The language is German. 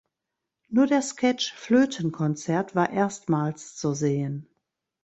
Nur der Sketch "Flötenkonzert" war erstmals zu sehen.